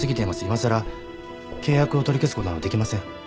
いまさら契約を取り消すことなどできません。